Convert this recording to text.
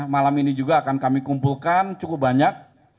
malam ini juga akan kami kumpulkan cukup banyak